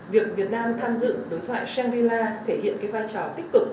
việc việt nam tham dự đối thoại shangri la thể hiện cái vai trò tích cực